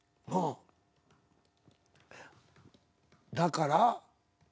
「だから」